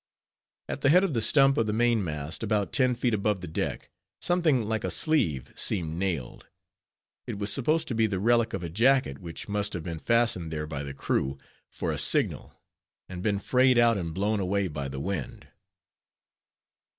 At the head of the stump of the mainmast, about ten feet above the deck, something like a sleeve seemed nailed; it was supposed to be the relic of a jacket, which must have been fastened there by the crew for a signal, and been frayed out and blown away by the wind.